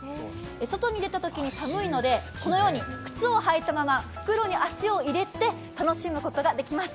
外に出たときに寒いので、靴を履いたまま袋に足を入れて楽しむことができます。